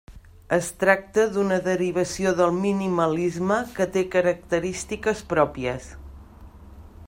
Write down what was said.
Es tracta d'una derivació del minimalisme que té característiques pròpies.